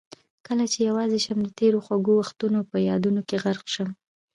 کله چې یوازې شم د تېرو خوږو وختونه په یادونو کې غرق شم.